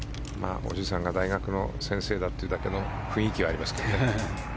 おじさんが大学の先生だっていうだけの雰囲気はありますけどね。